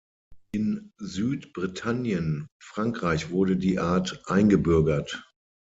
In Süd-Britannien und Frankreich wurde die Art eingebürgert.